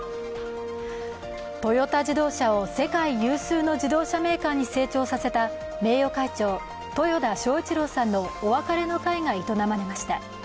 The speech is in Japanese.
トヨタ自動車を世界有数の自動車メーカーに成長させた名誉会長・豊田喜一郎さんのお別れの会が営まれました。